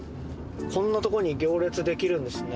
こんなとこに行列できるんですね。